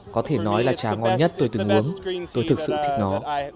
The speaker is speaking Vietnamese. có thể nói là trà ngon nhất tôi từng muốn tôi thực sự thích nó